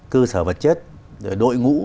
cơ sở vật chất đội ngũ